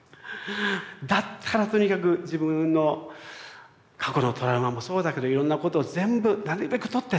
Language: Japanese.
だったらとにかく自分の過去のトラウマもそうだけどいろんなことを全部なるべく取ってって。